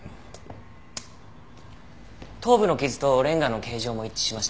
頭部の傷とレンガの形状も一致しました。